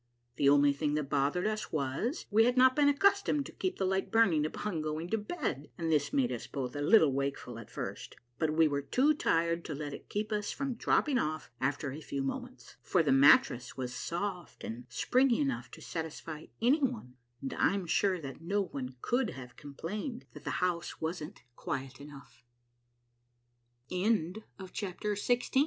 The only thing that bothered us was, we had not been accustomed to keep the light burning upon going to bed, and this made us both a little wakeful at first ; but we were too tired to let it keep us from dropping off after a few moments, for the mattress was soft and springy enough to satisfy any one, and I'm sure that no one could have complained that the house wa